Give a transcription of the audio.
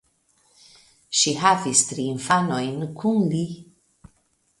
Ŝi havis tri infanojn kun li.